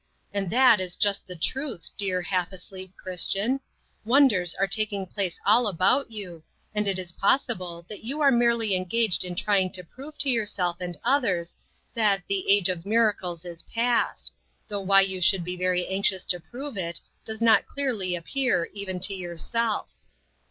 And that is just the truth, dear, half asleep Christian ; wonders are taking place all about you, and it is possible that you are merely engaged in trying to prove to yourself and others that " the age of mira cles is past ;" though why you should be very anxious to prove it, does not clearly appear even to yourself.